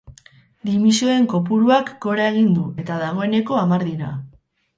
Dimisioen kopuruak gora egin du eta dagoeneko hamar dira.